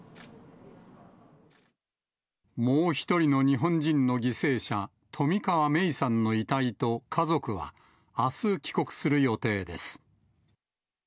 もう１人の日本人の犠牲者、冨川芽生さんの遺体と家族は、あす帰国する予定です。